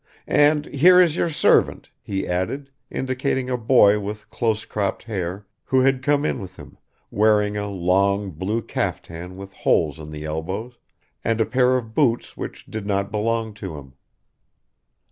And here is your servant," he added, indicating a boy with close cropped hair, who had come in with him, wearing a long blue caftan with holes in the elbows and a pair of boots which did not belong to him.